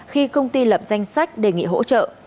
khi công ty lập danh sách đề nghị hỗ trợ